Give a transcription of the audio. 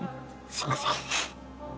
すいません。